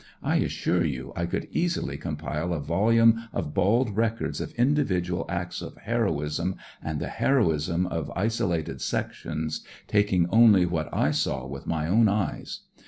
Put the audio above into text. I assure you I could easily compile a volume of bald records of individual acts of heroism and the heroism of isolated sections, taking only what I saw with my own eyes.